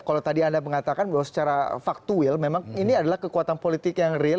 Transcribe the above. kalau tadi anda mengatakan bahwa secara faktuil memang ini adalah kekuatan politik yang real